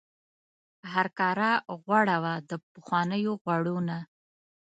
هرکاره غوړه وه د پخوانیو غوړو نه.